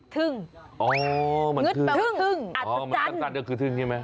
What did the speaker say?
ถึงอัศจรรย์คือถึงใช่ไหมอ๋อมันถึงอัศจรรย์